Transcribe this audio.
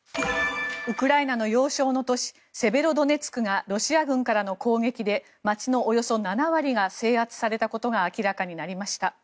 ウクライナの要衝の都市セベロドネツクがロシア軍からの攻撃で街のおよそ７割が制圧されたことが明らかになりました。